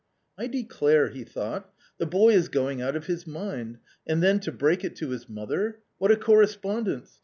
" I declare," he thought, " the boy is going out of his mind, and then to break it to his mother ; what a correspondence